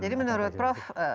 jadi menurut prof